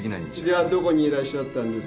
じゃあどこにいらっしゃったんですか？